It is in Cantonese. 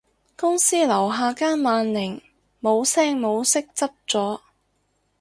公司樓下間萬寧無聲無息執咗